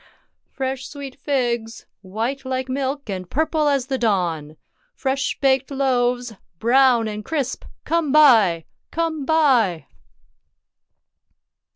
— Fresh sweet figs ! white like milk, and purple as the dawn ! Fresh baked loaves, brown and crisp. Come buy ! Come buy